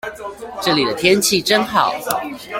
這裡的天氣真好